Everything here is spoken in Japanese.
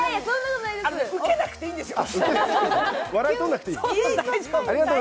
ウケなくていいんですよ。